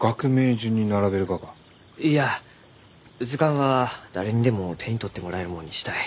いや図鑑は誰にでも手に取ってもらえるもんにしたい。